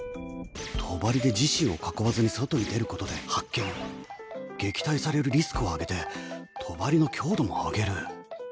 帳で自身を囲わずに外に出ることで発見撃退されるリスクを上げて帳の強度も上げる。